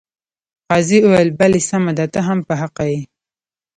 قاضي وویل بلې سمه ده ته هم په حقه یې.